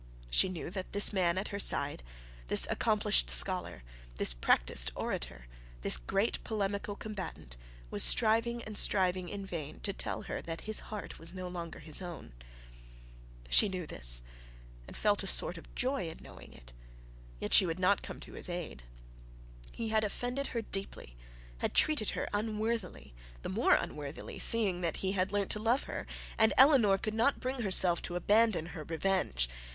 She knew that this man at her side, this accomplished scholar, this practised orator, this great polemical combatant, was striving and striving in vain to tell her that his heart was no longer his own. She knew this, and felt the joy of knowing it; and yet she would not come to his aid. He had offended her deeply, had treated her unworthily, the more unworthily seeing that he had learnt to love her, and Eleanor could not bring herself to abandon her revenge.